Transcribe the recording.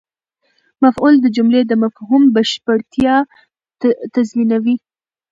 مفعول د جملې د مفهوم بشپړتیا تضمینوي.